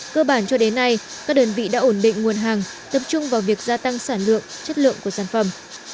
cơ bản cho đến nay các đơn vị đã ổn định nguồn hàng tập trung vào việc gia tăng sản lượng chất lượng của sản phẩm